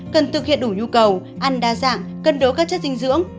cần thực hiện đủ nhu cầu ăn đa dạng cân đối các chất dinh dưỡng